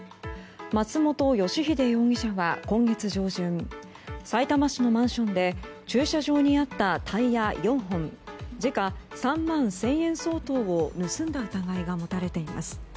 松本吉秀容疑者は今月上旬さいたま市のマンションで駐車場にあったタイヤ４本時価３万１０００円相当を盗んだ疑いが持たれています。